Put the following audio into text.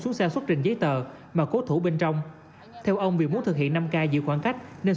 xuống xe xuất trình giấy tờ mà cố thủ bên trong theo ông vì muốn thực hiện năm k giữ khoảng cách nên